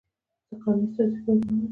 زه قومي استازیتوب نه منم.